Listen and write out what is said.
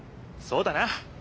そうだな。